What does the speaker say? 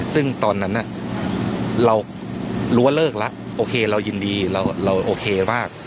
ซึ่งตอนนั้นเรารู้ว่าเลิกแล้วโอเคเรายินดีเราโอเคมาก